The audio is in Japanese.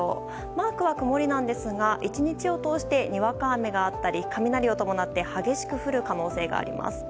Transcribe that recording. マークは曇りなんですが１日を通してにわか雨があったり雷を伴って激しく降る可能性があります。